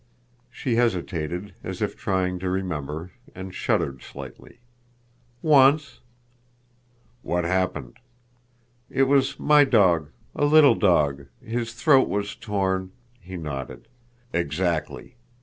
She hesitated, as if trying to remember, and shuddered slightly. "Once." "What happened?" "It was my dog—a little dog. His throat was torn—" He nodded. "Exactly.